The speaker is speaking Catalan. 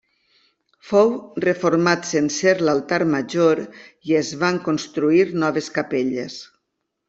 Fou reformat sencer l'altar major i es van construir noves capelles.